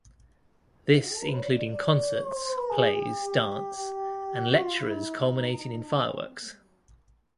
This including concerts, plays, dance, and lecturers culminating in fireworks.